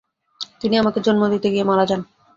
তিনি আমাকে জন্ম দিতে গিয়ে মারা যান।